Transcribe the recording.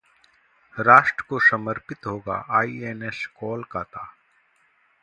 राष्ट्र को समर्पित होगा आईएनएस कोलकाता